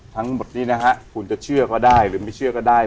ทั้งหมดนี้นะฮะคุณจะเชื่อก็ได้หรือไม่เชื่อก็ได้